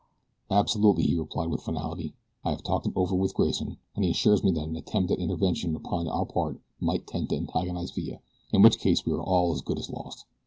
"Absolutely," he replied with finality. "I have talked it over with Grayson and he assures me that an attempt at intervention upon our part might tend to antagonize Villa, in which case we are all as good as lost.